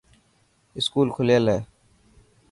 اسڪول کليل هي.